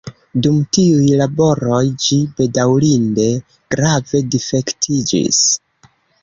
Dum tiuj laboroj ĝi bedaŭrinde grave difektiĝis.